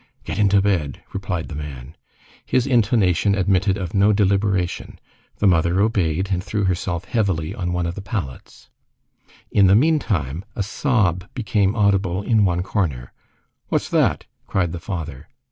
"Get into bed," replied the man. His intonation admitted of no deliberation. The mother obeyed, and threw herself heavily on one of the pallets. In the meantime, a sob became audible in one corner. "What's that?" cried the father.